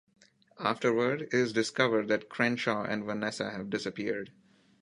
Afterward, it is discovered that Crenshaw and Vanessa have disappeared.